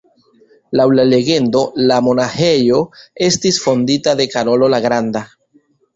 Laŭ la legendo la monaĥejo estis fondita de Karolo la Granda.